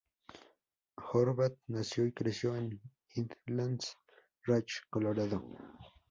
Horvath nació y creció en Highlands Ranch, Colorado.